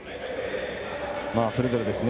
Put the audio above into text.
それぞれですね。